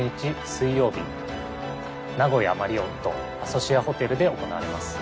水曜日名古屋マリオットアソシアホテルで行われます。